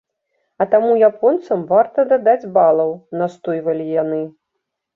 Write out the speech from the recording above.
А таму японцам варта дадаць балаў, настойвалі яны.